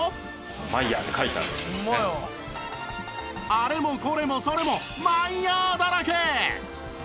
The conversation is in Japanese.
あれもこれもそれもマイヤーだらけ！